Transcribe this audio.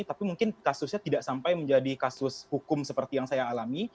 tapi mungkin kasusnya tidak sampai menjadi kasus hukum seperti yang saya alami